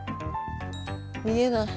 見えない。